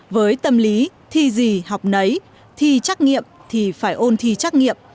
với tâm lý thi gì học nấy thi trắc nghiệm thì phải ôn thi trắc nghiệm